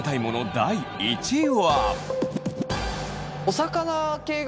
第１位は。